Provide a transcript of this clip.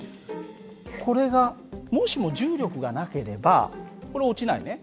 これがもしも重力がなければこれ落ちないね。